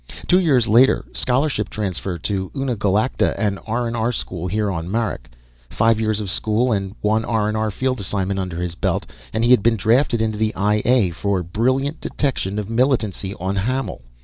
Two years later: scholarship transfer to Uni Galacta, the R&R school here on Marak. Five years of school and one R&R field assignment under his belt, and he had been drafted into the I A for brilliant detection of militancy on Hammel.